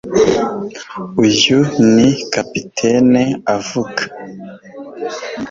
Uyu ni capitaine avuga